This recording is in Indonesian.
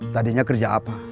tadinya kerja apa